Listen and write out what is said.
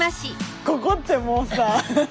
ここってもうさ。